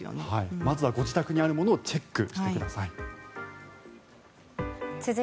まずはご自宅にあるものをチェックしてください。